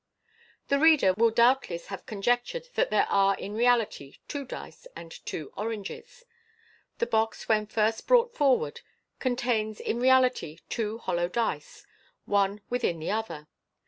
The reader will doubtless have conjectured that there are in realitj two dice and two oranges. The box when first brought forward con* tains in reality two hollow dice, one within the other.